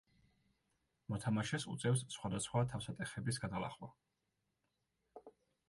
მოთამაშეს უწევს სხვადასხვა თავსატეხების გადალახვა.